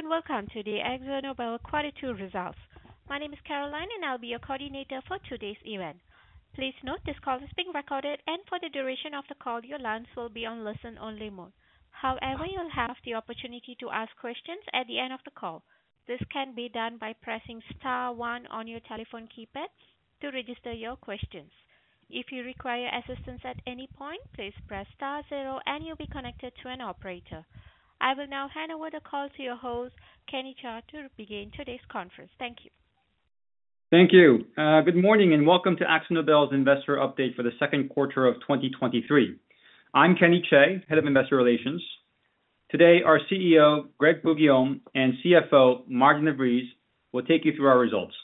Hello, welcome to the AkzoNobel Quarter Two Results. My name is Caroline, and I'll be your coordinator for today's event. Please note this call is being recorded, and for the duration of the call, your lines will be on listen-only mode. However, you'll have the opportunity to ask questions at the end of the call. This can be done by pressing star one on your telephone keypad to register your questions. If you require assistance at any point, please press star zero, and you'll be connected to an operator. I will now hand over the call to your host, Kenny Chae, to begin today's conference. Thank you. Thank you. Good morning, and welcome to AkzoNobel's Investor Update for the second quarter of 2023. I'm Kenny Chae, Head of Investor Relations. Today, our CEO, Greg Poux-Guillaume, and CFO, Maarten de Vries, will take you through our results.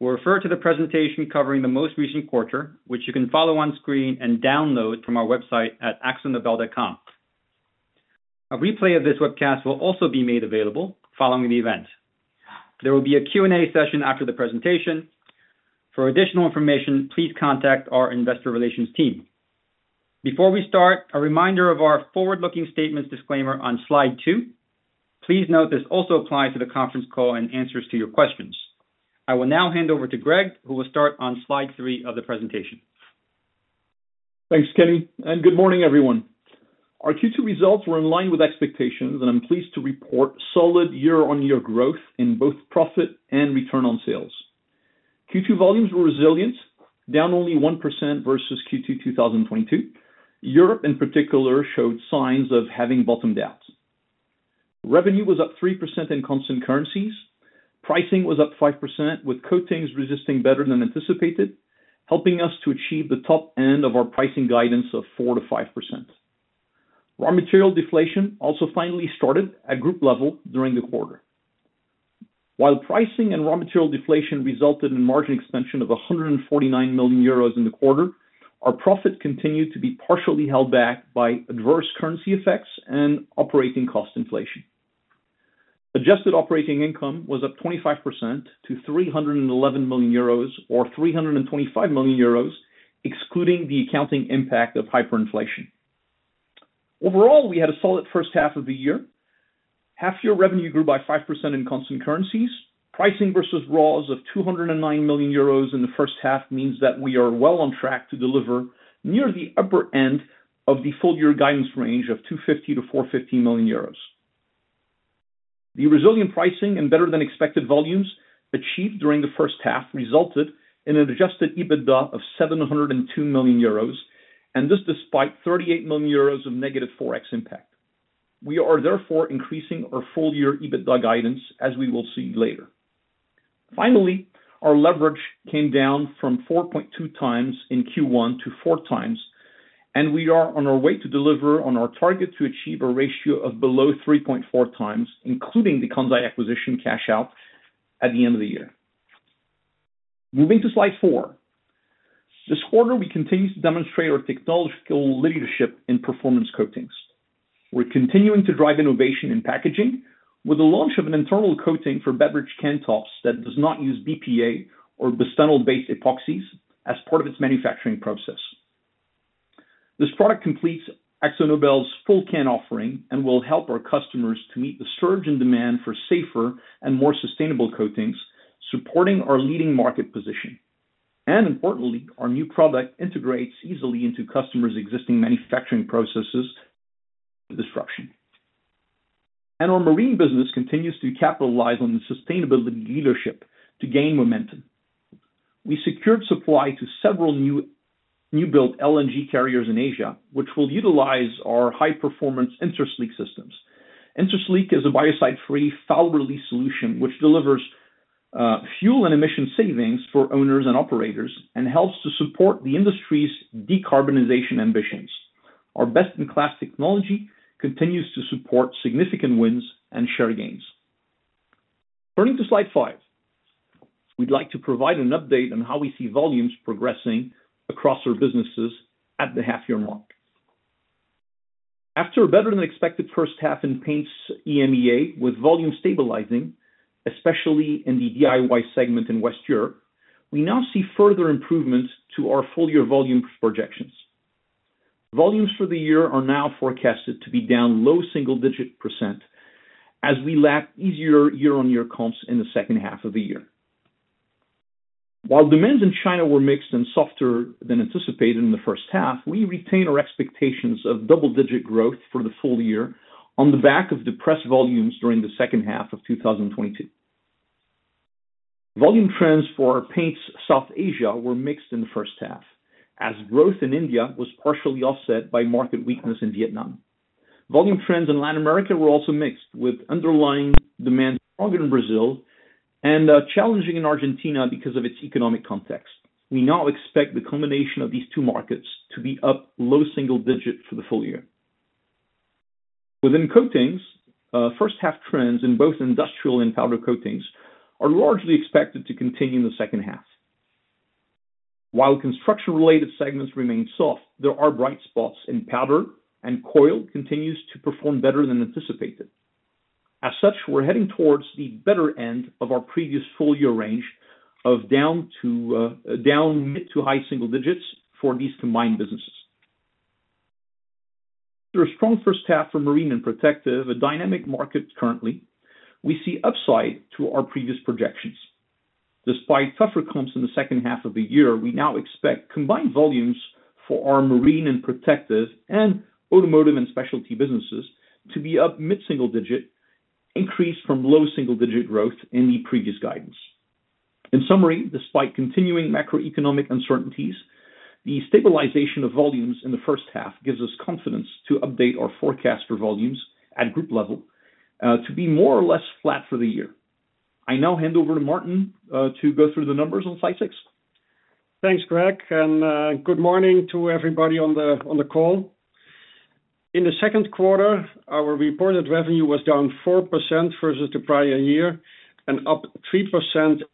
We'll refer to the presentation covering the most recent quarter, which you can follow on screen and download from our website at akzonobel.com. A replay of this webcast will also be made available following the event. There will be a Q&A session after the presentation. For additional information, please contact our investor relations team. Before we start, a reminder of our forward-looking statements disclaimer on slide two. Please note this also applies to the conference call and answers to your questions. I will now hand over to Greg, who will start on slide three of the presentation. Thanks, Kenny, and good morning, everyone. Our Q2 results were in line with expectations, and I'm pleased to report solid year-on-year growth in both profit and return on sales. Q2 volumes were resilient, down only 1% versus Q2 2022. Europe, in particular, showed signs of having bottomed out. Revenue was up 3% in constant currencies. Pricing was up 5%, with coatings resisting better than anticipated, helping us to achieve the top end of our pricing guidance of 4%-5%. Raw material deflation also finally started at group level during the quarter. While pricing and raw material deflation resulted in margin expansion of 149 million euros in the quarter, our profit continued to be partially held back by adverse currency effects and operating cost inflation. Adjusted operating income was up 25% to 311 million euros, or 325 million euros, excluding the accounting impact of hyperinflation. We had a solid first half of the year. Half-year revenue grew by 5% in constant currencies. Pricing versus raw is of 209 million euros in the first half means that we are well on track to deliver near the upper end of the full-year guidance range of 250 million-450 million euros. The resilient pricing and better-than-expected volumes achieved during the first half resulted in an adjusted EBITDA of 702 million euros, this despite 38 million euros of negative Forex impact. We are therefore increasing our full-year EBITDA guidance, as we will see later. Finally, our leverage came down from 4.2x in Q1 to 4x, and we are on our way to deliver on our target to achieve a ratio of below 3.4x, including the Kansai acquisition cash out at the end of the year. Moving to slide four. This quarter, we continue to demonstrate our technological leadership in performance coatings. We're continuing to drive innovation in packaging with the launch of an internal coating for beverage can tops that does not use BPA or bisphenol-based epoxies as part of its manufacturing process. This product completes AkzoNobel's full can offering and will help our customers to meet the surge in demand for safer and more sustainable coatings, supporting our leading market position. Importantly, our new product integrates easily into customers' existing manufacturing processes disruption. Our marine business continues to capitalize on the sustainability leadership to gain momentum. We secured supply to several new-built LNG carriers in Asia, which will utilize our high-performance Intersleek systems. Intersleek is a biocide-free foul release solution, which delivers fuel and emission savings for owners and operators and helps to support the industry's decarbonization ambitions. Our best-in-class technology continues to support significant wins and share gains. Turning to slide five. We'd like to provide an update on how we see volumes progressing across our businesses at the half-year mark. After a better-than-expected first half in Paints EMEA, with volume stabilizing, especially in the DIY segment in West Europe, we now see further improvements to our full-year volume projections. Volumes for the year are now forecasted to be down low single-digit % as we lap easier year-on-year comps in the second half of the year. While demands in China were mixed and softer than anticipated in the first half, we retain our expectations of double-digit growth for the full year on the back of depressed volumes during the second half of 2022. Volume trends for Paints South Asia were mixed in the first half, as growth in India was partially offset by market weakness in Vietnam. Volume trends in Latin America were also mixed, with underlying demand in Brazil, challenging in Argentina because of its economic context. We now expect the combination of these two markets to be up low single digit for the full year. Within Coatings, first half trends in both industrial and powder coatings are largely expected to continue in the second half. While construction-related segments remain soft, there are bright spots, and powder and coil continues to perform better than anticipated. As such, we're heading towards the better end of our previous full-year range of down to down mid-to-high single digits for these combined businesses. There are strong first half for marine and protective, a dynamic market currently, we see upside to our previous projections. Despite tougher comps in the second half of the year, we now expect combined volumes for our marine and protective, and automotive and specialty businesses to be up mid-single digit, increase from low single-digit growth in the previous guidance. In summary, despite continuing macroeconomic uncertainties, the stabilization of volumes in the first half gives us confidence to update our forecast for volumes at group level to be more or less flat for the year. I now hand over to Maarten to go through the numbers on slide six. Thanks, Greg, and good morning to everybody on the call. In the second quarter, our reported revenue was down 4% versus the prior year, and up 3% currencies.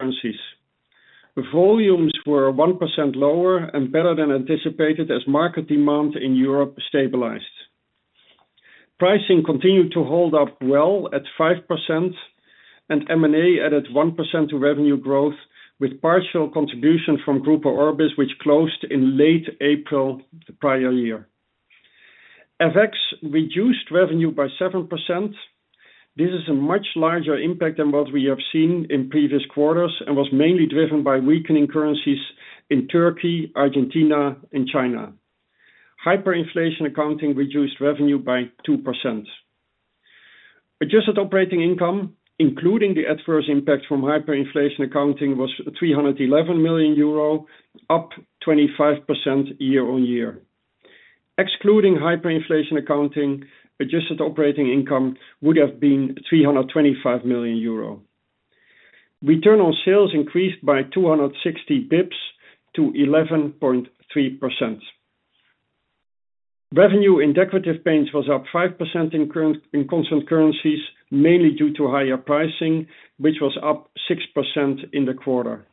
The volumes were 1% lower and better than anticipated as market demand in Europe stabilized. Pricing continued to hold up well at 5%, and M&A added 1% to revenue growth, with partial contribution from Grupo Orbis, which closed in late April the prior year. FX reduced revenue by 7%. This is a much larger impact than what we have seen in previous quarters and was mainly driven by weakening currencies in Turkey, Argentina, and China. Hyperinflation accounting reduced revenue by 2%. Adjusted operating income, including the adverse impact from hyperinflation accounting, was 311 million euro, up 25% year-on-year. Excluding hyperinflation accounting, adjusted operating income would have been 325 million euro. Return on sales increased by 260 basis points to 11.3%. Revenue in decorative paints was up 5% in constant currencies, mainly due to higher pricing, which was up 6% in the quarter.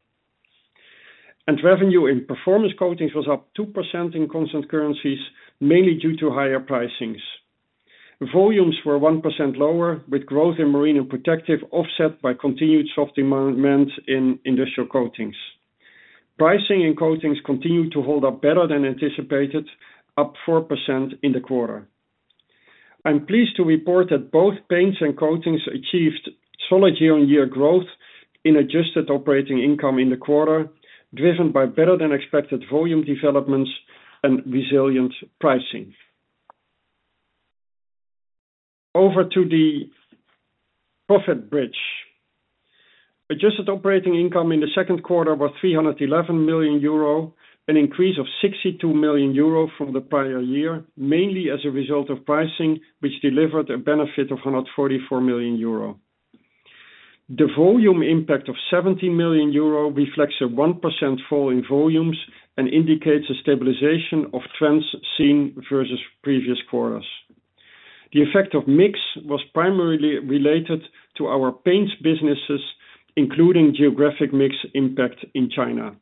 Revenue in performance coatings was up 2% in constant currencies, mainly due to higher pricings. Volumes were 1% lower, with growth in marine and protective, offset by continued soft demand in industrial coatings. Pricing in coatings continued to hold up better than anticipated, up 4% in the quarter. I'm pleased to report that both paints and coatings achieved solid year-on-year growth in adjusted operating income in the quarter, driven by better than expected volume developments and resilient pricing. Over to the profit bridge. Adjusted operating income in the second quarter was 311 million euro, an increase of 62 million euro from the prior year, mainly as a result of pricing, which delivered a benefit of 144 million euro. The volume impact of 70 million euro reflects a 1% fall in volumes and indicates a stabilization of trends seen versus previous quarters. The effect of mix was primarily related to our paints businesses, including geographic mix impact in China.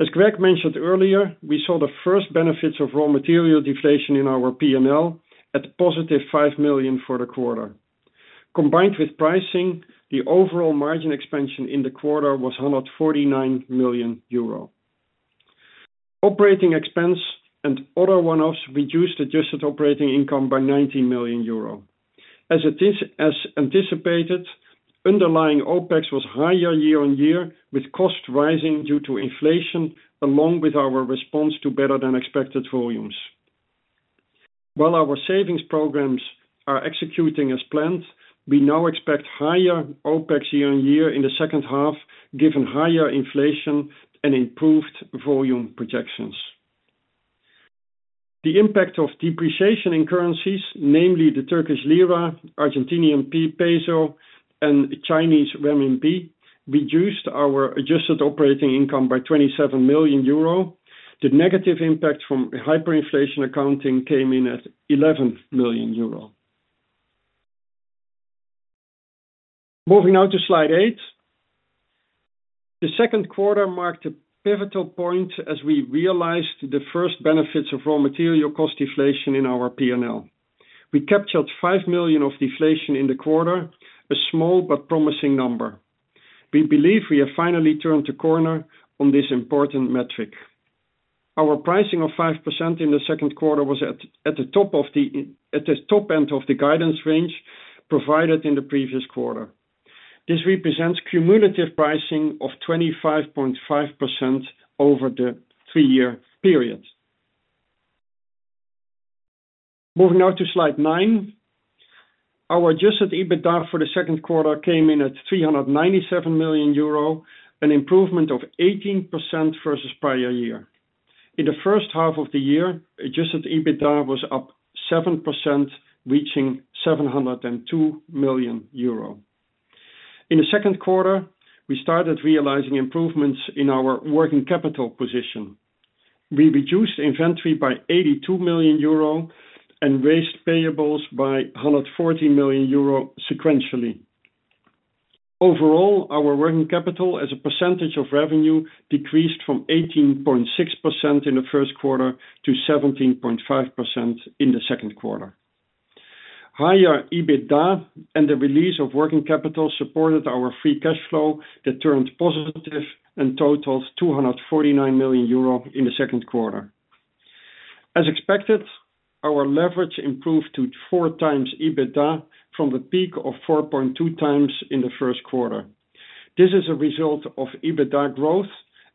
As Greg mentioned earlier, we saw the first benefits of raw material deflation in our P&L at positive 5 million for the quarter. Combined with pricing, the overall margin expansion in the quarter was 149 million euro. Operating expense and other one-offs reduced adjusted operating income by 90 million euro. As anticipated, underlying OpEx was higher year on year, with costs rising due to inflation, along with our response to better than expected volumes. While our savings programs are executing as planned, we now expect higher OpEx year on year in the second half, given higher inflation and improved volume projections. The impact of depreciation in currencies, namely the Turkish lira, Argentinian peso, and Chinese renminbi, reduced our adjusted operating income by 27 million euro. The negative impact from hyperinflation accounting came in at 11 million euro. Moving now to slide eight. The second quarter marked a pivotal point as we realized the first benefits of raw material cost deflation in our P&L. We captured 5 million of deflation in the quarter, a small but promising number. We believe we have finally turned a corner on this important metric. Our pricing of 5% in the second quarter was at the top end of the guidance range provided in the previous quarter. This represents cumulative pricing of 25.5% over the 3-year period. Moving now to slide nine. Our adjusted EBITDA for the second quarter came in at 397 million euro, an improvement of 18% versus prior year. In the first half of the year, adjusted EBITDA was up 7%, reaching 702 million euro. In the second quarter, we started realizing improvements in our working capital position. We reduced inventory by 82 million euro and raised payables by 140 million euro sequentially. Overall, our working capital as a percentage of revenue decreased from 18.6% in the first quarter to 17.5% in the second quarter. Higher EBITDA and the release of working capital supported our free cash flow, that turned positive and totals 249 million euro in the second quarter. As expected, our leverage improved to four times EBITDA from the peak of 4.2 times in the first quarter. This is a result of EBITDA growth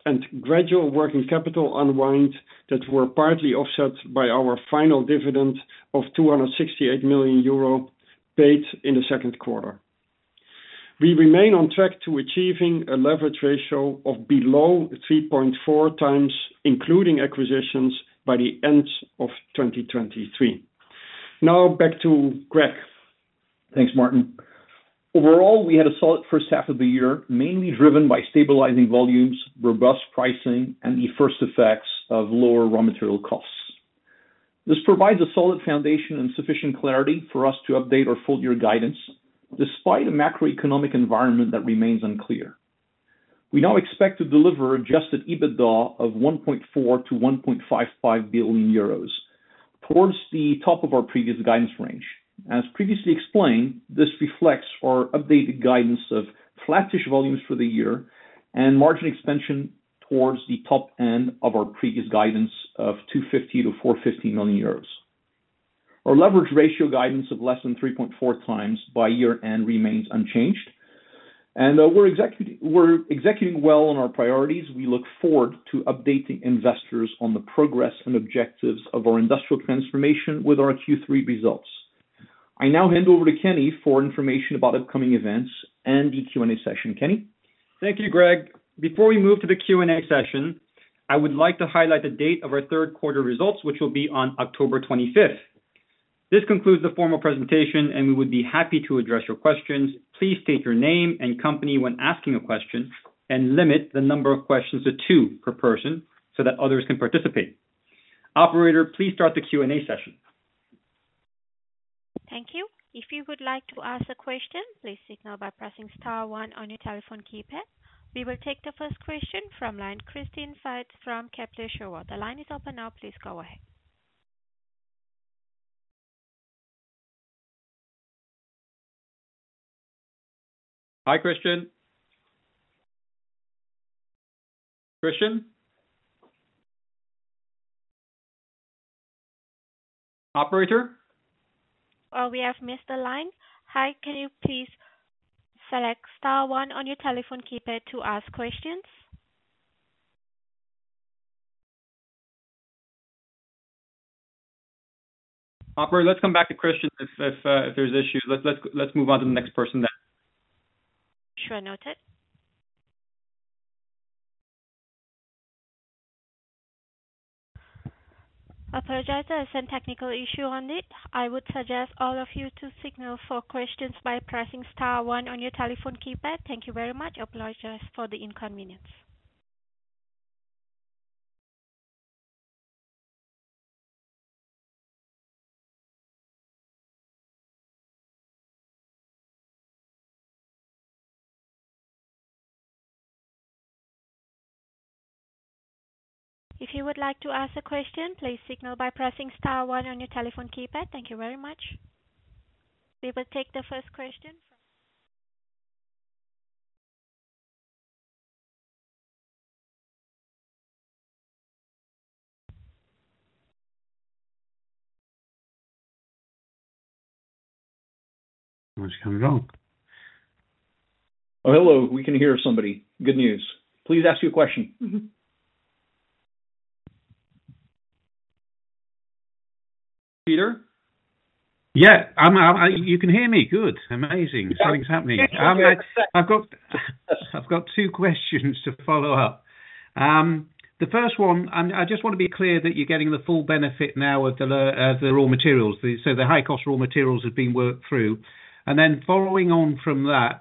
and gradual working capital unwind, that were partly offset by our final dividend of 268 million euro, paid in the second quarter. We remain on track to achieving a leverage ratio of below 3.4 times, including acquisitions, by the end of 2023. Back to Greg. Thanks, Maarten. We had a solid first half of the year, mainly driven by stabilizing volumes, robust pricing, and the first effects of lower raw material costs. This provides a solid foundation and sufficient clarity for us to update our full year guidance, despite a macroeconomic environment that remains unclear. We now expect to deliver adjusted EBITDA of 1.4 billion-1.5 billion euros, towards the top of our previous guidance range. As previously explained, this reflects our updated guidance of flatfish volumes for the year and margin expansion towards the top end of our previous guidance of 250 million-450 million euros. Our leverage ratio guidance of less than 3.4x by year-end remains unchanged, we're executing well on our priorities. We look forward to updating investors on the progress and objectives of our industrial transformation with our Q3 results. I now hand over to Kenny for information about upcoming events and the Q&A session. Kenny? Thank you, Greg. Before we move to the Q&A session, I would like to highlight the date of our third quarter results, which will be on October 25th. This concludes the formal presentation. We would be happy to address your questions. Please state your name and company when asking a question, and limit the number of questions to two per person so that others can participate. Operator, please start the Q&A session. Thank you. If you would like to ask a question, please signal by pressing star one on your telephone keypad. We will take the first question from line, Christian Faitz from Kepler Cheuvreux. The line is open now. Please go ahead. Hi, Christian. Christian? Operator? We have missed the line. Hi, can you please select star one on your telephone keypad to ask questions? Operator, let's come back to Christian if there's issues. Let's move on to the next person then. Sure. Noted. Apologize, there is some technical issue on it. I would suggest all of you to signal for questions by pressing star one on your telephone keypad. Thank you very much. Apologize for the inconvenience. If you would like to ask a question, please signal by pressing star one on your telephone keypad. Thank you very much. We will take the first question. What's going on? Hello, we can hear somebody. Good news. Please ask your question. Mm-hmm. Peter? Yeah, I, you can hear me? Good. Amazing. Something's happening. I've got two questions to follow up. The first one, I just want to be clear that you're getting the full benefit now of the raw materials. The high cost raw materials have been worked through. Following on from that,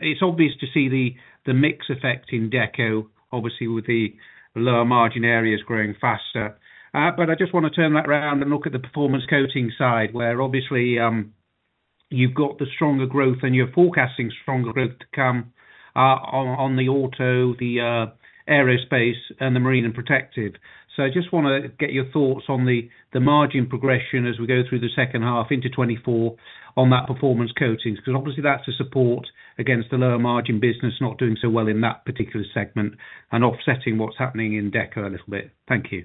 it's obvious to see the mix effect in deco, obviously, with the lower margin areas growing faster. I just want to turn that around and look at the performance coating side, where obviously, you've got the stronger growth and you're forecasting stronger growth to come, on the auto, the aerospace and the marine and protective. I just wanna get your thoughts on the margin progression as we go through the second half into 2024 on that performance coatings, because obviously that's a support against the lower margin business, not doing so well in that particular segment and offsetting what's happening in deco a little bit. Thank you.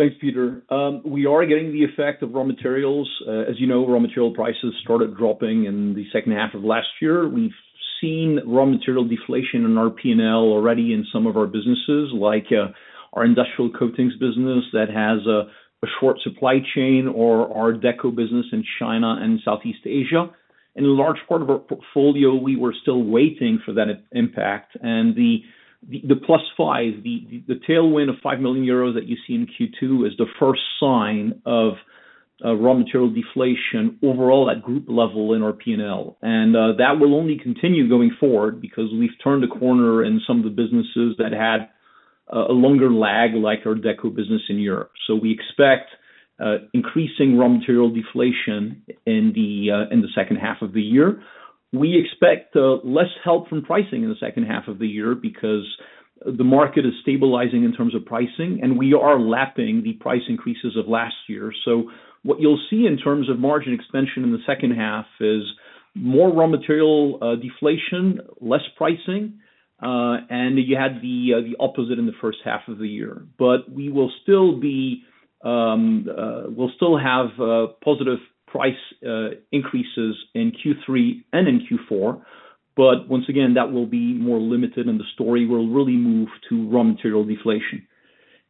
Thanks, Peter. We are getting the effect of raw materials. As you know, raw material prices started dropping in the second half of last year. We've seen raw material deflation in our P&L already in some of our businesses, like our industrial coatings business that has a short supply chain, or our deco business in China and Southeast Asia. In a large part of our portfolio, we were still waiting for that impact. The +5, the tailwind of 5 million euros that you see in Q2, is the first sign of raw material deflation overall at group level in our P&L. That will only continue going forward because we've turned a corner in some of the businesses that had a longer lag, like our deco business in Europe. We expect increasing raw material deflation in the second half of the year. We expect less help from pricing in the second half of the year because the market is stabilizing in terms of pricing, and we are lapping the price increases of last year. What you'll see in terms of margin expansion in the second half is more raw material deflation, less pricing, and you had the opposite in the first half of the year. We will still be, we'll still have positive price increases in Q3 and in Q4, but once again, that will be more limited, and the story will really move to raw material deflation.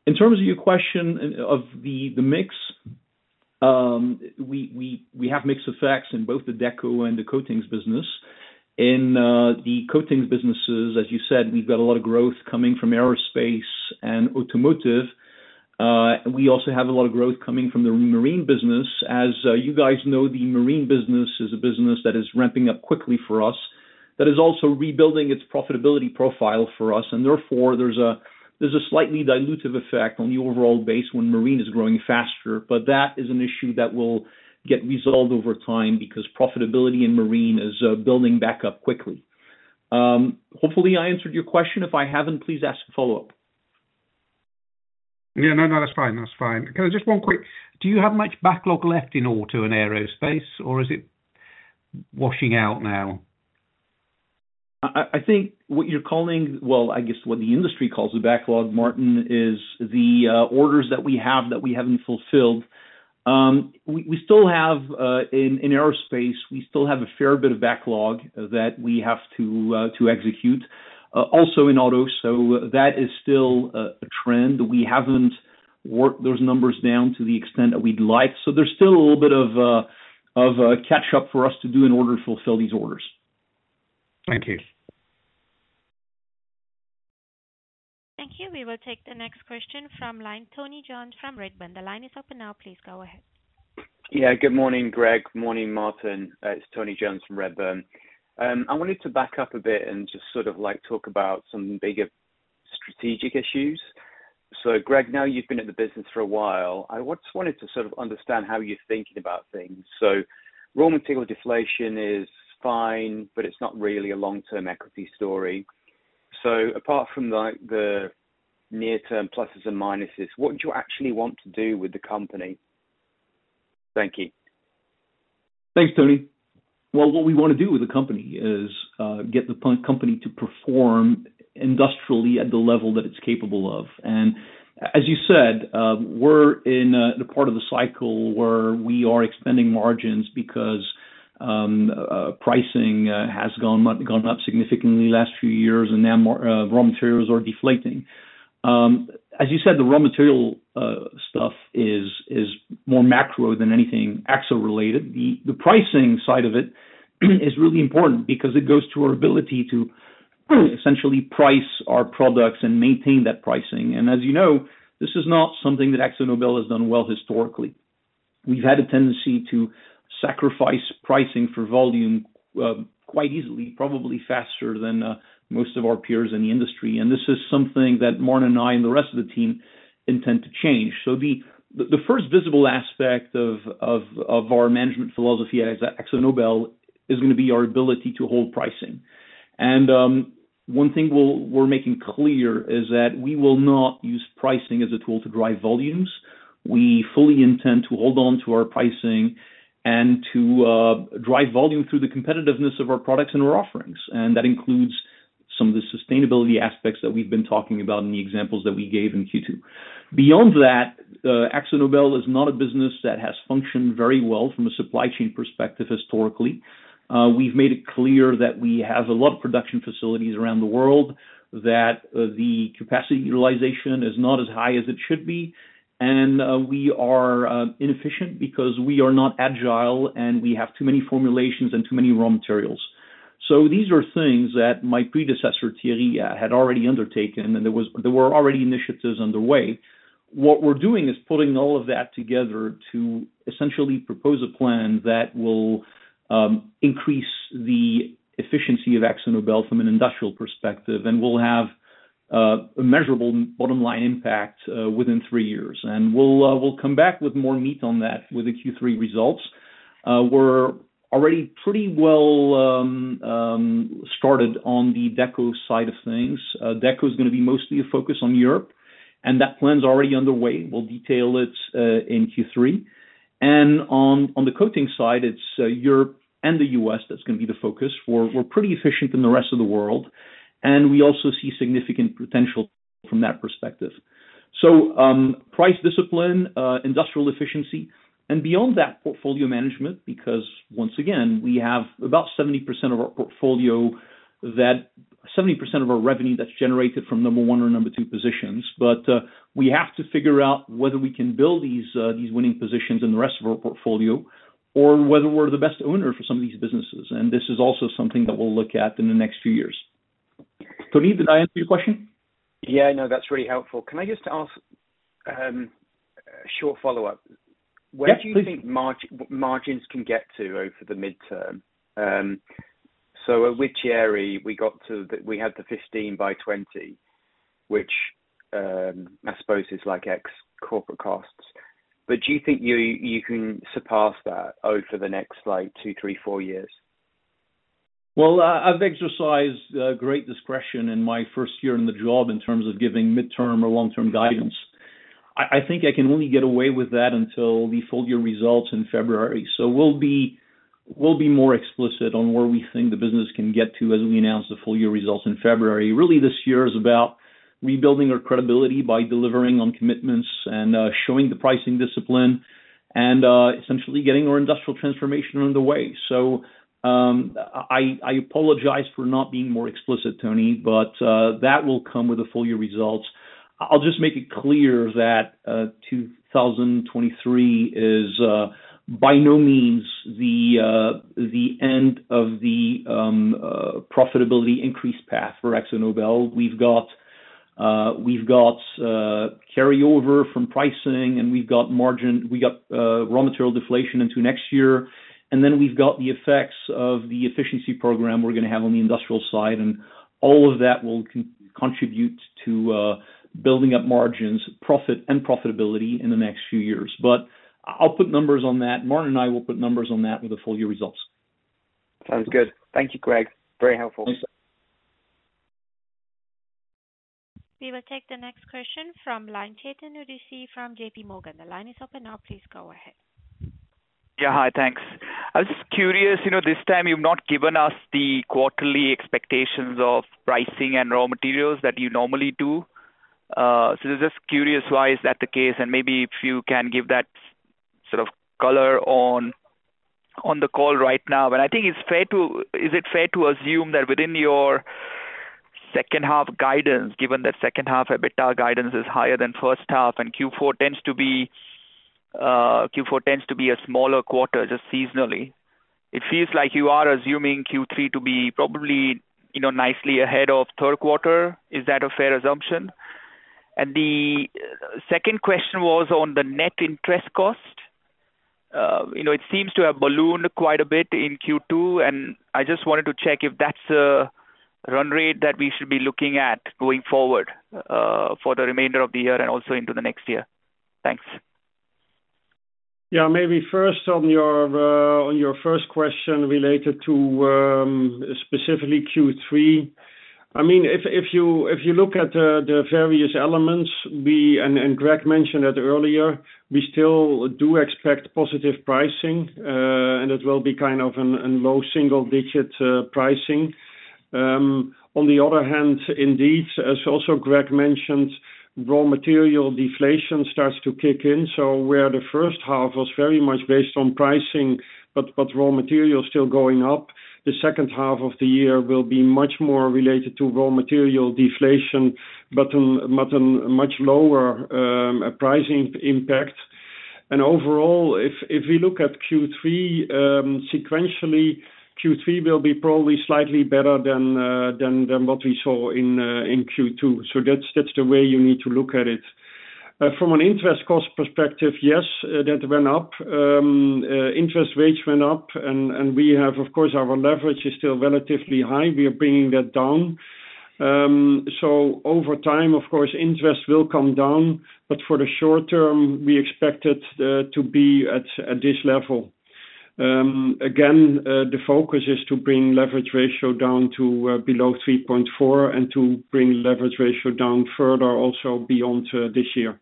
In terms of your question of the mix, we have mixed effects in both the deco and the coatings business. In the coatings businesses, as you said, we've got a lot of growth coming from aerospace and automotive. We also have a lot of growth coming from the marine business. As you guys know, the marine business is a business that is ramping up quickly for us. That is also rebuilding its profitability profile for us, and therefore there's a, there's a slightly dilutive effect on the overall base when marine is growing faster, but that is an issue that will get resolved over time because profitability in marine is building back up quickly. Hopefully, I answered your question. If I haven't, please ask a follow-up. Yeah, no, that's fine. That's fine. Do you have much backlog left in auto and aerospace, or is it washing out now? I think, well, I guess what the industry calls the backlog, Maarten, is the orders that we have that we haven't fulfilled. We still have in aerospace, we still have a fair bit of backlog that we have to execute also in auto. That is still a trend. We haven't worked those numbers down to the extent that we'd like. There's still a little bit of catch up for us to do in order to fulfill these orders. Thank you. Thank you. We will take the next question from line, Tony Jones from Redburn. The line is open now. Please go ahead. Yeah, good morning, Greg. Morning, Maarten. It's Tony Jones from Redburn. I wanted to back up a bit and just sort of, like, talk about some bigger strategic issues. Greg, now you've been in the business for a while. I once wanted to sort of understand how you're thinking about things. Raw material deflation is fine, but it's not really a long-term equity story. Apart from, like, the near-term pluses and minuses, what do you actually want to do with the company? Thank you. Thanks, Tony. Well, what we want to do with the company is, get the company to perform industrially at the level that it's capable of. As you said, we're in the part of the cycle where we are expanding margins because pricing has gone up significantly last few years, and now more raw materials are deflating. As you said, the raw material stuff is more macro than anything Akzo related. The pricing side of it is really important because it goes to our ability to essentially price our products and maintain that pricing. As you know, this is not something that AkzoNobel has done well historically. We've had a tendency to sacrifice pricing for volume, quite easily, probably faster than most of our peers in the industry. This is something that Maarten and I and the rest of the team intend to change. The first visible aspect of our management philosophy at AkzoNobel is gonna be our ability to hold pricing. One thing we're making clear, is that we will not use pricing as a tool to drive volumes. We fully intend to hold on to our pricing and to drive volume through the competitiveness of our products and our offerings. That includes some of the sustainability aspects that we've been talking about in the examples that we gave in Q2. Beyond that, AkzoNobel is not a business that has functioned very well from a supply chain perspective historically. We've made it clear that we have a lot of production facilities around the world, that the capacity utilization is not as high as it should be, and we are inefficient because we are not agile and we have too many formulations and too many raw materials. These are things that my predecessor, Thierry, had already undertaken, and there were already initiatives underway. What we're doing is pulling all of that together to essentially propose a plan that will increase the efficiency of AkzoNobel from an industrial perspective, and will have a measurable bottom line impact within three years. We'll come back with more meat on that with the Q3 results. We're already pretty well started on the deco side of things. Deco is gonna be mostly a focus on Europe. That plan is already underway. We'll detail it in Q3. On the coating side, it's Europe and the U.S., that's gonna be the focus. We're pretty efficient in the rest of the world. We also see significant potential from that perspective. Price discipline, industrial efficiency, and beyond that, portfolio management, because once again, we have about 70% of our portfolio 70% of our revenue that's generated from number one or number two positions. We have to figure out whether we can build these these winning positions in the rest of our portfolio or whether we're the best owner for some of these businesses. This is also something that we'll look at in the next few years. Tony Jones, did I answer your question? Yeah. No, that's really helpful. Can I just ask, a short follow-up? Yeah, please. Where do you think margins can get to over the midterm? With Thierry, we had the 15 by 20, which, I suppose is like ex corporate costs. Do you think you can surpass that over the next, like, two, three, four years? Well, I've exercised great discretion in my first year in the job in terms of giving midterm or long-term guidance. I think I can only get away with that until the full year results in February. We'll be more explicit on where we think the business can get to as we announce the full year results in February. Really, this year is about rebuilding our credibility by delivering on commitments and showing the pricing discipline, and essentially getting our industrial transformation under way. I apologize for not being more explicit, Tony, that will come with the full year results. I'll just make it clear that 2023 is by no means the end of the profitability increase path for AkzoNobel. We've got carryover from pricing, and we've got raw material deflation into next year, and then we've got the effects of the efficiency program we're gonna have on the industrial side, and all of that will contribute to building up margins, profit and profitability in the next few years. I'll put numbers on that. Maarten and I will put numbers on that with the full year results. Sounds good. Thank you, Greg. Very helpful. Thanks. We will take the next question from line, Chetan Udeshi from JPMorgan. The line is open now, please go ahead. Yeah. Hi, thanks. I was just curious, you know, this time you've not given us the quarterly expectations of pricing and raw materials that you normally do. Just curious, why is that the case? Maybe if you can give that sort of color on the call right now. I think it's fair to... Is it fair to assume that within your second half guidance, given that second half EBITDA guidance is higher than first half, and Q4 tends to be a smaller quarter, just seasonally. It feels like you are assuming Q3 to be probably, you know, nicely ahead of third quarter. Is that a fair assumption? The second question was on the net interest cost. You know, it seems to have ballooned quite a bit in Q2, and I just wanted to check if that's a run rate that we should be looking at going forward for the remainder of the year and also into the next year. Thanks. Yeah, maybe first on your on your first question related to specifically Q3. I mean, if you look at the various elements, Greg mentioned it earlier, we still do expect positive pricing, and it will be kind of a low single digit pricing. On the other hand, indeed, as also Greg mentioned, raw material deflation starts to kick in. Where the first half was very much based on pricing, but raw materials still going up, the second half of the year will be much more related to raw material deflation, but a much lower pricing impact. Overall, if we look at Q3, sequentially, Q3 will be probably slightly better than what we saw in Q2. That's the way you need to look at it. From an interest cost perspective, yes, that went up. Interest rates went up. Of course, our leverage is still relatively high. We are bringing that down. Over time, of course, interest will come down, but for the short term, we expect it to be at this level. Again, the focus is to bring leverage ratio down to below 3.4, and to bring leverage ratio down further, also beyond this year.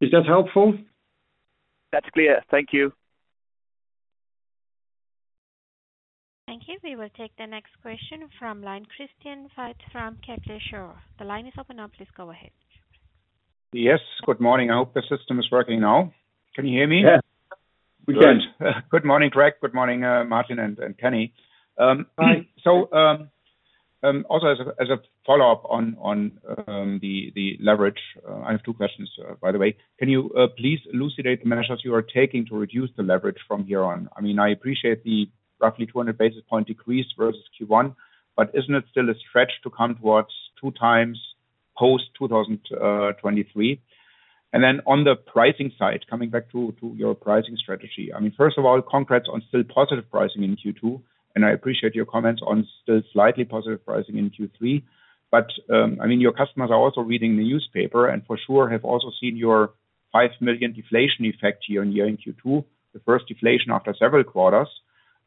Is that helpful? That's clear. Thank you. Thank you. We will take the next question from line, Christian Faitz from Kepler Cheuvreux. The line is open now, please go ahead. Yes, good morning. I hope the system is working now. Can you hear me? Yes, we can. Good morning, Greg. Good morning, Maarten and Kenny. Also as a follow-up on the leverage, I have two questions, by the way. Can you please elucidate the measures you are taking to reduce the leverage from here on? I mean, I appreciate the roughly 200 basis point decrease versus Q1, isn't it still a stretch to come towards two times post 2023? On the pricing side, coming back to your pricing strategy. I mean, first of all, congrats on still positive pricing in Q2, I appreciate your comments on still slightly positive pricing in Q3. I mean, your customers are also reading the newspaper, and for sure, have also seen your 5 million deflation effect year-on-year in Q2, the first deflation after several quarters.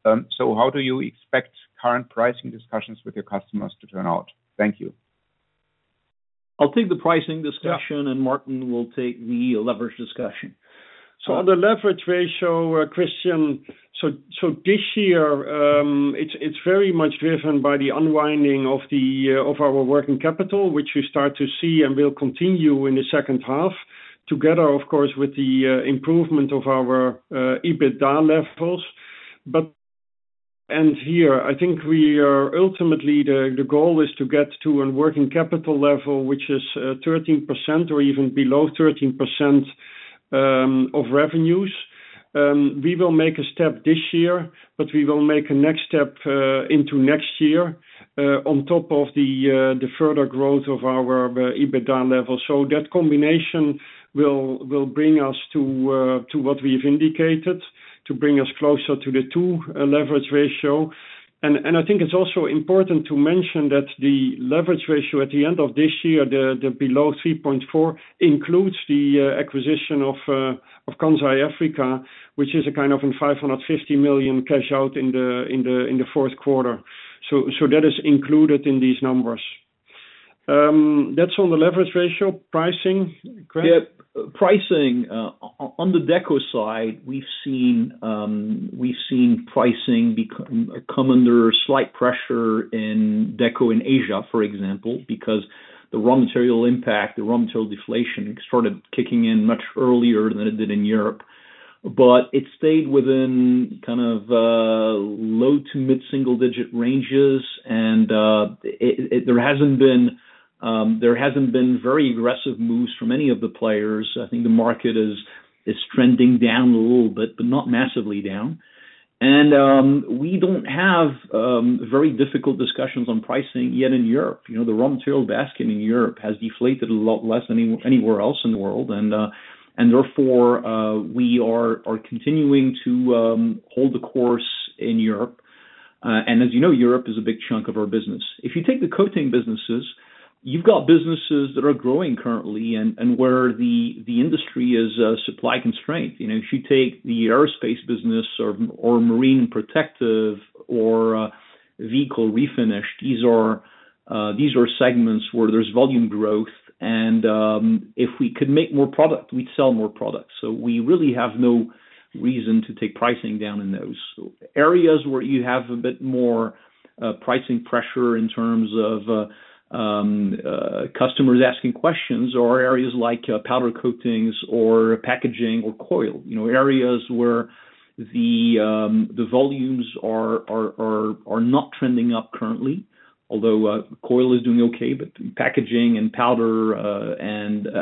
How do you expect current pricing discussions with your customers to turn out? Thank you. I'll take the pricing discussion. Yeah. Maarten will take the leverage discussion. On the leverage ratio, Christian, this year, it's very much driven by the unwinding of our working capital, which we start to see and will continue in the second half, together, of course, with the improvement of our EBITDA levels. Here, I think we are ultimately the goal is to get to a working capital level, which is 13% or even below 13% of revenues. We will make a step this year, but we will make a next step into next year, on top of the further growth of our EBITDA level. That combination will bring us to what we've indicated, to bring us closer to the two leverage ratio. I think it's also important to mention that the leverage ratio at the end of this year, the below 3.4, includes the acquisition of Kansai Africa, which is a kind of a 550 million cash out in the fourth quarter. That is included in these numbers. That's on the leverage ratio pricing, Greg? Yep. Pricing on the deco side, we've seen pricing come under slight pressure in deco in Asia, for example, because the raw material impact, the raw material deflation started kicking in much earlier than it did in Europe. It stayed within kind of low to mid-single-digit ranges, and there hasn't been very aggressive moves from any of the players. I think the market is trending down a little bit, but not massively down. We don't have very difficult discussions on pricing yet in Europe. You know, the raw material basket in Europe has deflated a lot less than anywhere else in the world, and therefore, we are continuing to hold the course in Europe. As you know, Europe is a big chunk of our business. If you take the coating businesses, you've got businesses that are growing currently, and where the industry is supply constrained. You know, if you take the aerospace business or marine protective or Vehicle Refinishes, these are segments where there's volume growth and if we could make more product, we'd sell more product. We really have no reason to take pricing down in those. Areas where you have a bit more pricing pressure in terms of customers asking questions, or areas like powder coatings or packaging or coil, you know, areas where the volumes are not trending up currently, although coil is doing okay, but packaging and powder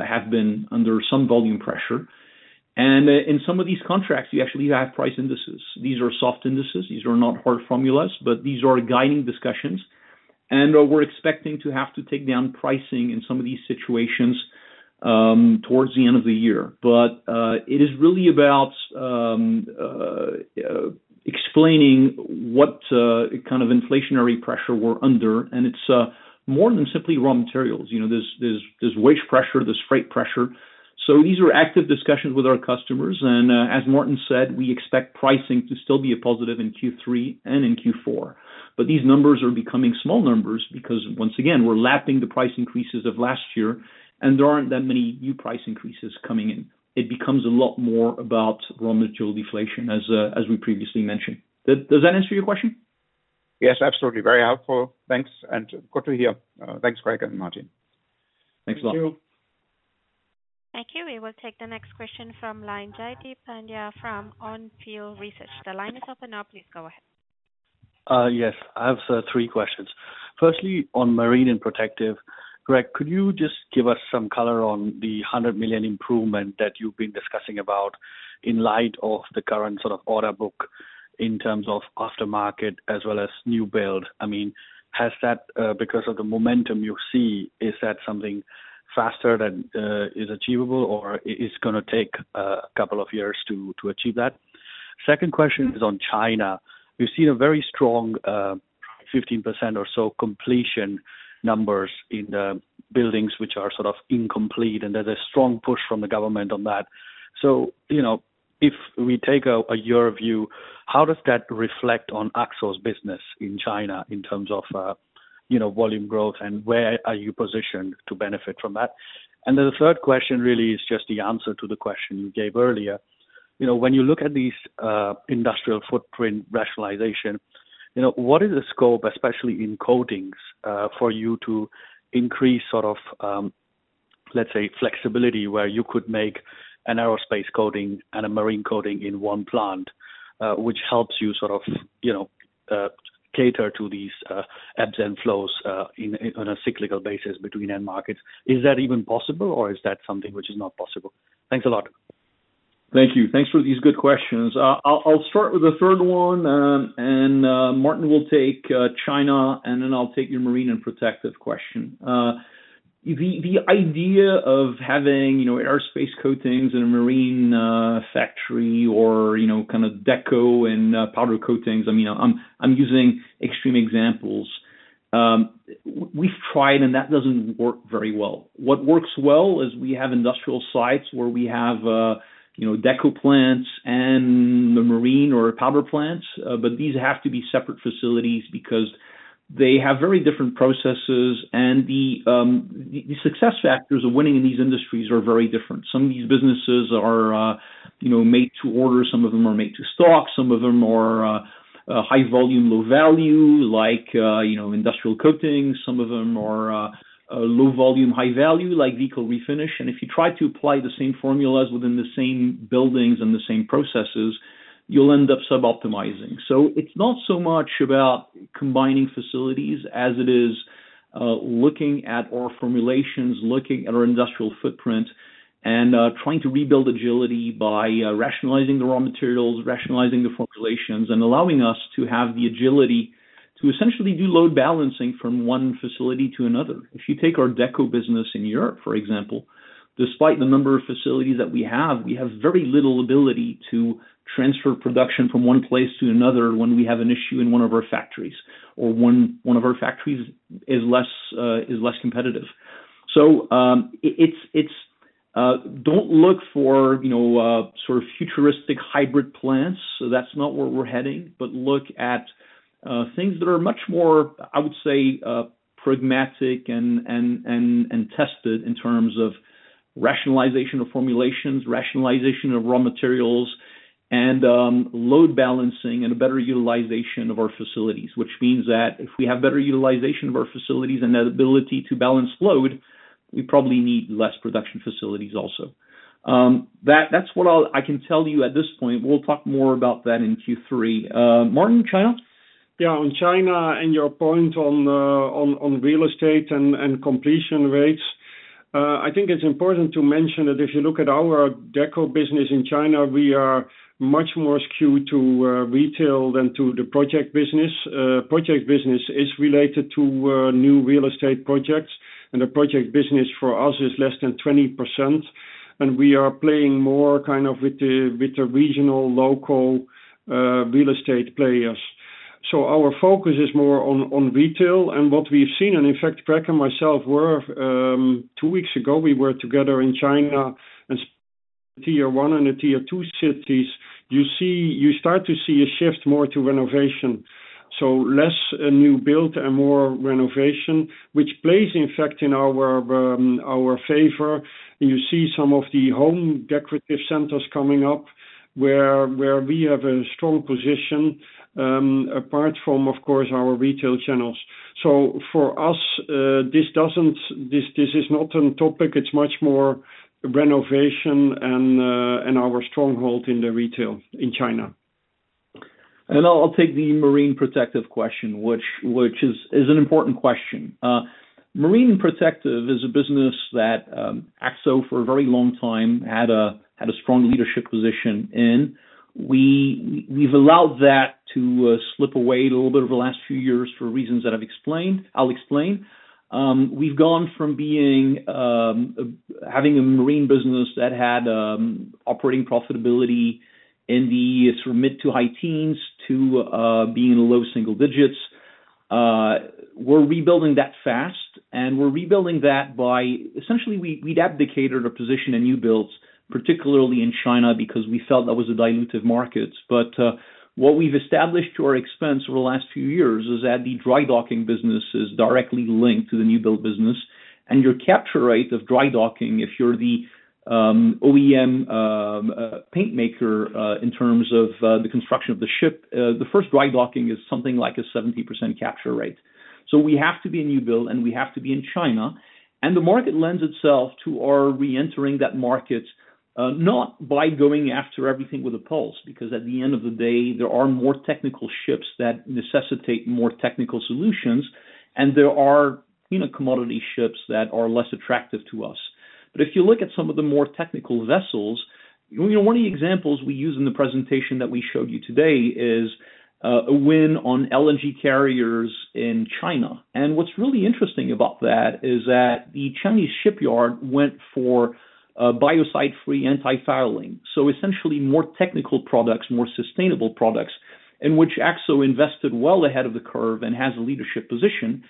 have been under some volume pressure. In some of these contracts, you actually have price indices. These are soft indices. These are not hard formulas, but these are guiding discussions. We're expecting to have to take down pricing in some of these situations towards the end of the year. It is really about explaining what kind of inflationary pressure we're under, and it's more than simply raw materials. You know, there's wage pressure, there's freight pressure. These are active discussions with our customers, and as Maarten said, we expect pricing to still be a positive in Q3 and in Q4. These numbers are becoming small numbers because, once again, we're lapping the price increases of last year, and there aren't that many new price increases coming in. It becomes a lot more about raw material deflation, as as we previously mentioned. Does that answer your question? Yes, absolutely. Very helpful. Thanks, and good to hear. Thanks, Greg and Maarten. Thanks a lot. Thank you. Thank you. We will take the next question from line, Jaideep Pandya from On Field Research. The line is open now. Please go ahead. Yes, I have three questions. Firstly, on Marine and Protective, Greg, could you just give us some color on the 100 million improvement that you've been discussing about in light of the current sort of order book, in terms of aftermarket as well as new build? I mean, has that, because of the momentum you see, is that something faster that is achievable, or it's gonna take a couple of years to achieve that? Second question is on China. We've seen a very strong 15% or so completion numbers in the buildings, which are sort of incomplete, and there's a strong push from the government on that. You know, if we take your view, how does that reflect on Akzo's business in China in terms of, you know, volume growth, and where are you positioned to benefit from that? The third question really is just the answer to the question you gave earlier. You know, when you look at these industrial footprint rationalization, you know, what is the scope, especially in coatings, for you to increase sort of, let's say, flexibility, where you could make an aerospace coating and a marine coating in one plant, which helps you sort of, you know, cater to these ebbs and flows in, on a cyclical basis between end markets? Is that even possible, or is that something which is not possible? Thanks a lot. Thank you. Thanks for these good questions. I'll start with the third one, and Maarten will take China, and then I'll take your marine and protective question. The idea of having, you know, aerospace coatings in a marine factory or, you know, kind of deco and powder coatings, I mean, I'm using extreme examples. We've tried, and that doesn't work very well. What works well is we have industrial sites where we have, you know, deco plants and marine or powder plants, but these have to be separate facilities because they have very different processes, and the success factors of winning in these industries are very different. Some of these businesses are, you know, made to order, some of them are made to stock, some of them are high volume, low value, like, you know, industrial coatings. Some of them are low volume, high value, like Vehicle Refinishes. If you try to apply the same formulas within the same buildings and the same processes, you'll end up suboptimizing. It's not so much about combining facilities as it is looking at our formulations, looking at our industrial footprint, and trying to rebuild agility by rationalizing the raw materials, rationalizing the formulations, and allowing us to have the agility to essentially do load balancing from one facility to another. If you take our deco business in Europe, for example, despite the number of facilities that we have, we have very little ability to transfer production from one place to another when we have an issue in one of our factories, or one of our factories is less competitive. It's, don't look for, you know, sort of futuristic hybrid plants. That's not where we're heading. Look at things that are much more, I would say, pragmatic and tested in terms of rationalization of formulations, rationalization of raw materials, and load balancing and a better utilization of our facilities. Which means that if we have better utilization of our facilities and that ability to balance load, we probably need less production facilities also. That's what I can tell you at this point. We'll talk more about that in Q3. Maarten, China? On China, and your point on the real estate and completion rates. I think it's important to mention that if you look at our deco business in China, we are much more skewed to retail than to the project business. Project business is related to new real estate projects, and the project business for us is less than 20%, and we are playing more kind of with the regional, local, real estate players. Our focus is more on retail and what we've seen, and in fact, Greg and myself were two weeks ago, we were together in China, and tier one and the tier two cities, you start to see a shift more to renovation. Less, new build and more renovation, which plays, in fact, in our favor. You see some of the home decorative centers coming up, where we have a strong position, apart from, of course, our retail channels. For us, this is not on topic. It's much more renovation and our stronghold in the retail in China. I'll take the marine protective question, which is an important question. marine protective is a business that Akzo, for a very long time, had a strong leadership position in. We've allowed that to slip away a little bit over the last few years, for reasons that I'll explain. We've gone from being having a marine business that had operating profitability in the sort of mid-to-high teens, to being low single digits. We're rebuilding that fast, and we're rebuilding that by essentially, we'd abdicated our position in new builds, particularly in China, because we felt that was a dilutive market. What we've established to our expense over the last few years is that the drydocking business is directly linked to the new build business. Your capture rate of dry docking, if you're the OEM paint maker, in terms of the construction of the ship, the first dry docking is something like a 70% capture rate. We have to be in new build, and we have to be in China, and the market lends itself to our reentering that market, not by going after everything with a pulse, because at the end of the day, there are more technical ships that necessitate more technical solutions, and there are, you know, commodity ships that are less attractive to us. If you look at some of the more technical vessels, you know, one of the examples we use in the presentation that we showed you today is a win on LNG carriers in China. What's really interesting about that is that the Chinese shipyard went for a biocide-free antifouling. Essentially more technical products, more sustainable products, in which AkzoNobel invested well ahead of the curve and has a leadership position.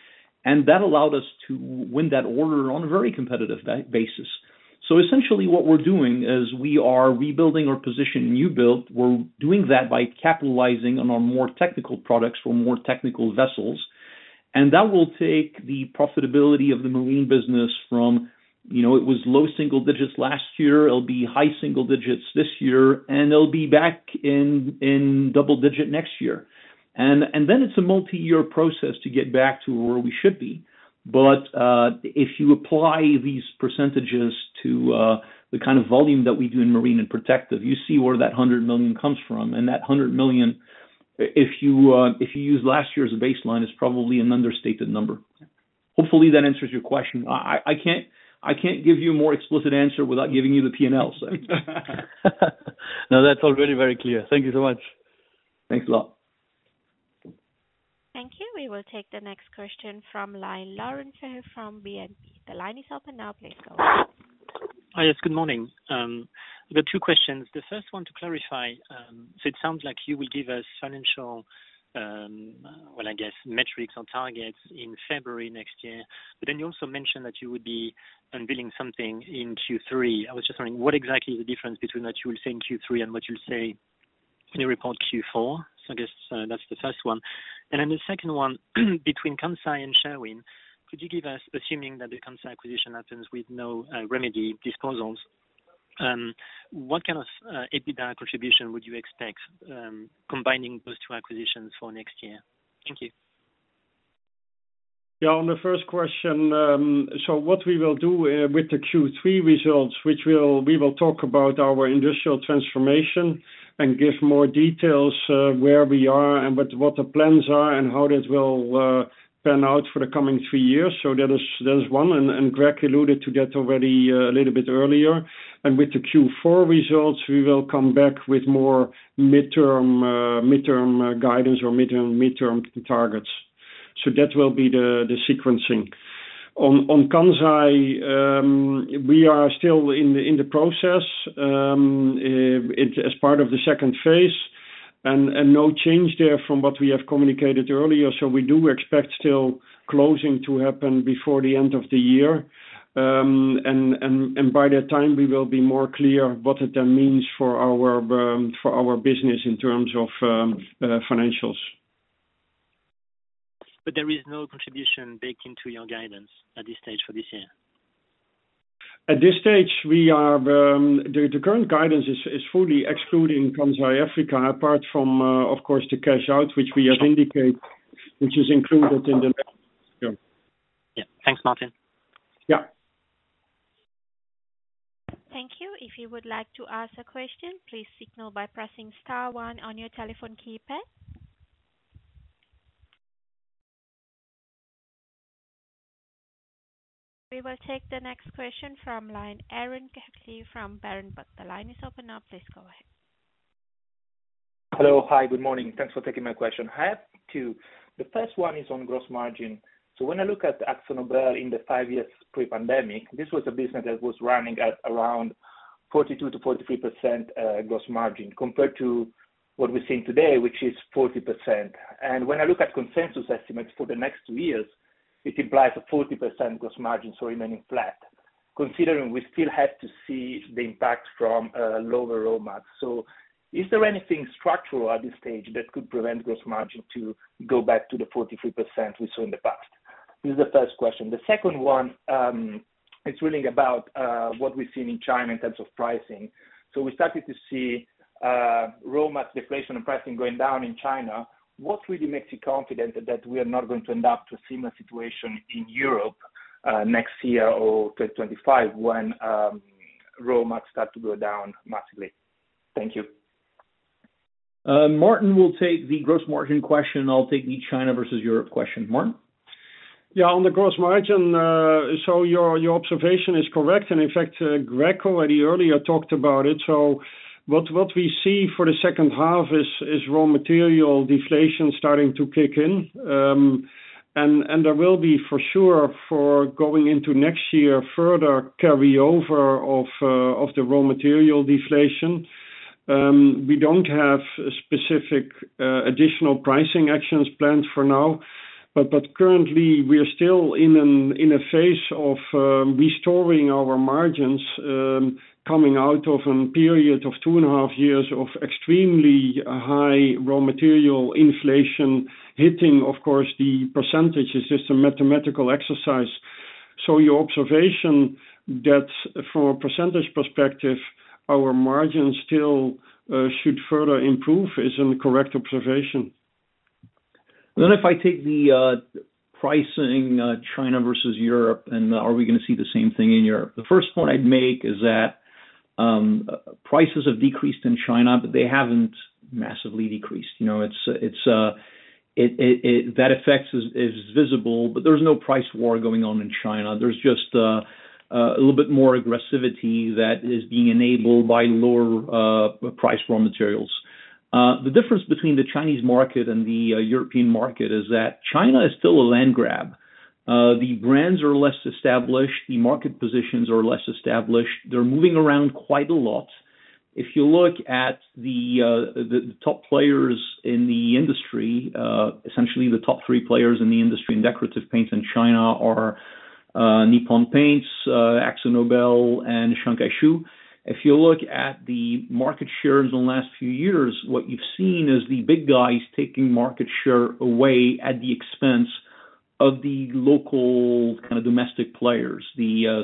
That allowed us to win that order on a very competitive basis. Essentially what we're doing is we are rebuilding our position in new build. We're doing that by capitalizing on our more technical products for more technical vessels, and that will take the profitability of the marine business from, you know, it was low single digits last year, it'll be high single digits this year, and it'll be back in double digit next year. Then it's a multi-year process to get back to where we should be. If you apply these percentages to the kind of volume that we do in marine and protective, you see where that 100 million comes from. That 100 million, if you use last year as a baseline, is probably an understated number. Hopefully, that answers your question. I can't give you a more explicit answer without giving you the P&L. No, that's already very clear. Thank you so much. Thanks a lot. Thank you. We will take the next question from line, Lawrence from BNP. The line is open now, please go. Hi, yes, good morning. I've got two questions. The first one to clarify, it sounds like you will give us financial metrics or targets in February next year. You also mentioned that you would be unveiling something in Q3. I was just wondering what exactly is the difference between what you will say in Q3 and what you'll say when you report Q4? That's the first one. The second one, between Kansai and Sherwin, could you give us, assuming that the Kansai acquisition happens with no remedy disposals, what kind of EBITDA contribution would you expect combining those two acquisitions for next year? Thank you. Yeah, on the first question, what we will do with the Q3 results, we will talk about our industrial transformation and give more details where we are and what the plans are, and how this will pan out for the coming three years. That is one, and Greg alluded to that already a little earlier. With the Q4 results, we will come back with more midterm guidance or midterm targets. That will be the sequencing. On Kansai, we are still in the process as part of the second phase. No change there from what we have communicated earlier. We do expect still closing to happen before the end of the year. By that time, we will be more clear what that means for our business in terms of financials. There is no contribution baked into your guidance at this stage for this year? At this stage, we are, the current guidance is fully excluding Kansai Africa, apart from, of course, the cash out, which we have indicated, which is included. Yeah. Yeah. Thanks, Maarten. Yeah. Thank you. If you would like to ask a question, please signal by pressing star one on your telephone keypad. We will take the next question from line, Aron Kecskes from Berenberg. The line is open now, please go ahead. Hello. Hi, good morning. Thanks for taking my question. I have two. The first one is on gross margin. When I look at AkzoNobel in the five years pre-pandemic, this was a business that was running at around 42%-43% gross margin, compared to what we're seeing today, which is 40%. When I look at consensus estimates for the next two years, it implies a 40% gross margin, remaining flat, considering we still have to see the impact from lower raw max. Is there anything structural at this stage that could prevent gross margin to go back to the 43% we saw in the past? This is the first question. The second one, it's really about what we've seen in China in terms of pricing. we started to see, raw max deflation and pricing going down in China. What really makes you confident that we are not going to end up to a similar situation in Europe, next year or 2025, when raw max start to go down massively? Thank you. Maarten will take the gross margin question. I'll take the China versus Europe question. Maarten? Yeah, on the gross margin, so your observation is correct, and in fact, Greg already earlier talked about it. What we see for the second half is raw material deflation starting to kick in. There will be, for sure, for going into next year, further carryover of the raw material deflation. We don't have specific additional pricing actions planned for now, but currently, we are still in a phase of restoring our margins, coming out of a period of two and a half years of extremely high raw material inflation, hitting, of course, the percentages, it's a mathematical exercise. Your observation that from a percentage perspective, our margins still should further improve is in the correct observation. If I take the pricing China versus Europe, and are we gonna see the same thing in Europe? The first point I'd make is that prices have decreased in China, but they haven't massively decreased. You know, it's That effect is visible, but there's no price war going on in China. There's just a little bit more aggressivity that is being enabled by lower price raw materials. The difference between the Chinese market and the European market is that China is still a land grab. The brands are less established, the market positions are less established. They're moving around quite a lot. If you look at the top players in the industry, essentially the top three players in the industry in decorative paints in China are Nippon Paint, AkzoNobel and Skshu Paint. If you look at the market shares in the last few years, what you've seen is the big guys taking market share away at the expense of the local, kind of, domestic players,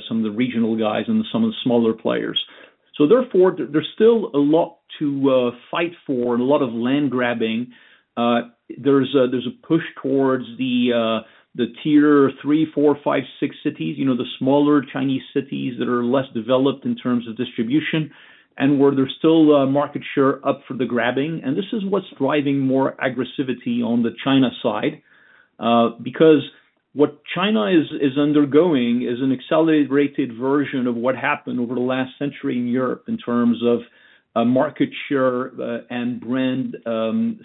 some of the regional guys and some of the smaller players. Therefore, there's still a lot to fight for and a lot of land grabbing. There's a push towards the tier three, four, five, six cities, you know, the smaller Chinese cities that are less developed in terms of distribution and where there's still market share up for the grabbing. This is what's driving more aggressivity on the China side, because what China is undergoing is an accelerated version of what happened over the last century in Europe in terms of market share, and brand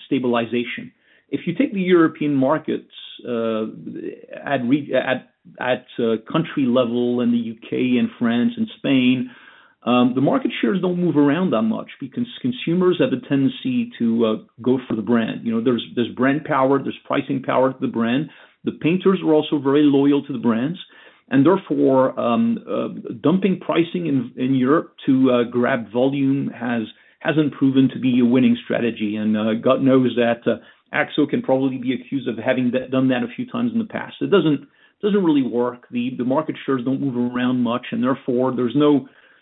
stabilization. If you take the European markets, at country level in the U.K. and France and Spain, the market shares don't move around that much because consumers have a tendency to go for the brand. You know, there's brand power, there's pricing power to the brand. The painters are also very loyal to the brands, and therefore, dumping pricing in Europe to grab volume has, hasn't proven to be a winning strategy. God knows that Akzo can probably be accused of having done that a few times in the past. It doesn't really work. The market shares don't move around much. Therefore,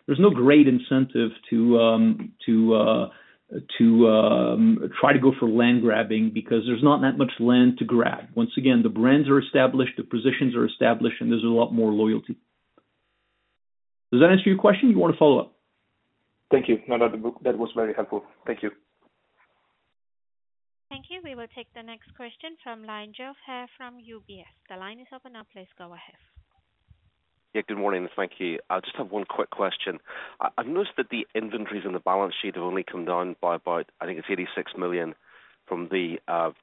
there's no great incentive to try to go for land grabbing because there's not that much land to grab. Once again, the brands are established, the positions are established. There's a lot more loyalty. Does that answer your question, or you want to follow up? Thank you. No, that was very helpful. Thank you. Thank you. We will take the next question from line, Jo Fahy from UBS. The line is open now, please go ahead. Good morning. Thank you. I just have one quick question. I've noticed that the inventories on the balance sheet have only come down by about, I think, it's 86 million from the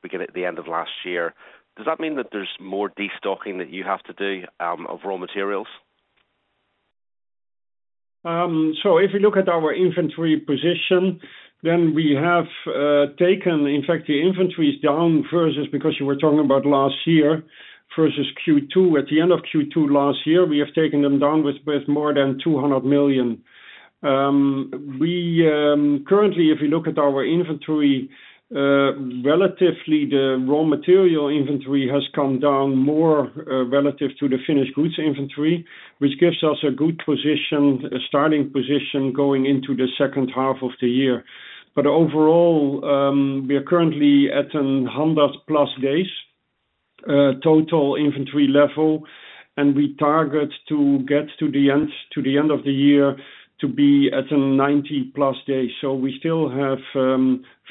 beginning, the end of last year. Does that mean that there's more destocking that you have to do of raw materials? If you look at our inventory position, then we have taken, in fact, the inventory is down versus because you were talking about last year, versus Q2. At the end of Q2 last year, we have taken them down with more than 200 million. we currently, if you look at our inventory, relatively, the raw material inventory has come down more, relative to the finished goods inventory, which gives us a good position, a starting position, going into the second half of the year. overall, we are currently at a 100 plus days total inventory level, and we target to get to the end of the year to be at a 90+days. We still have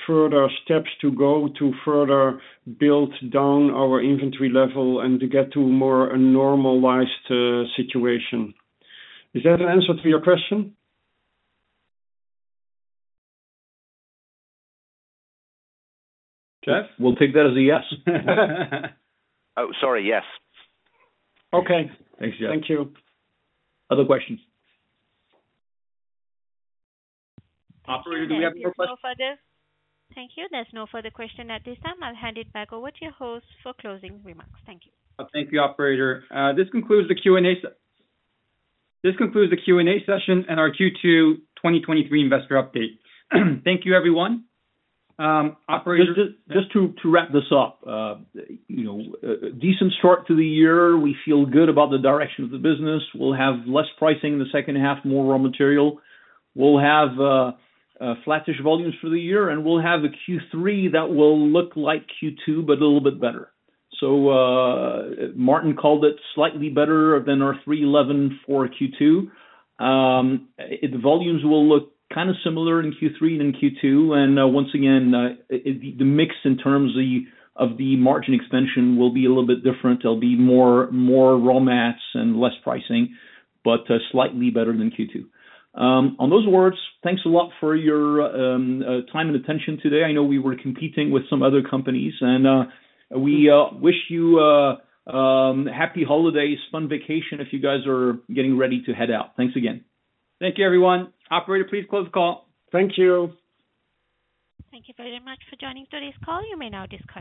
further steps to go to further build down our inventory level and to get to a more normalized situation. Is that an answer to your question? Jo? We'll take that as a yes. Oh, sorry. Yes. Okay. Thanks, Jo. Thank you. Other questions? Operator, do we have more questions? Thank you. There's no further question at this time. I'll hand it back over to your host for closing remarks. Thank you. Thank you, operator. This concludes the Q&A session and our Q2 2023 investor update. Thank you, everyone. operator- Just to wrap this up, you know, a decent start to the year. We feel good about the direction of the business. We'll have less pricing in the second half, more raw material. We'll have flattish volumes for the year, and we'll have a Q3 that will look like Q2, but a little bit better. Maarten called it slightly better than our three eleven for Q2. The volumes will look kind of similar in Q3 than Q2, and once again, the mix in terms of the margin expansion will be a little bit different. There'll be more raw mass and less pricing, but slightly better than Q2. On those words, thanks a lot for your time and attention today. I know we were competing with some other companies. We wish you happy holidays, fun vacation, if you guys are getting ready to head out. Thanks again. Thank you, everyone. Operator, please close the call. Thank you. Thank you very much for joining today's call. You may now disconnect.